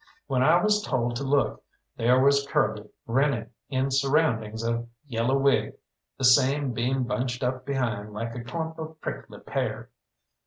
When I was told to look, there was Curly grinning in surroundings of yellow wig, the same being bunched up behind like a clump of prickly pear.